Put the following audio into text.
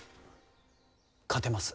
勝てます